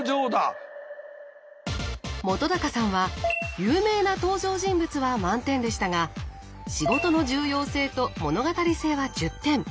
本さんは「有名な登場人物」は満点でしたが「仕事の重要性」と「物語性」は１０点。